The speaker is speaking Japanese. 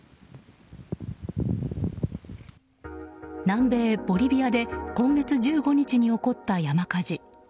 南米ボリビアで今月１５日に起こった山火事。